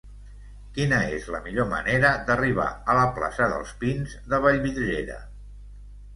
Quina és la millor manera d'arribar a la plaça dels Pins de Vallvidrera?